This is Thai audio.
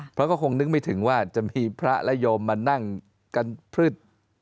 เพราะก็คงนึกไม่ถึงว่าจะมีพระและโยมมานั่งกันพลึด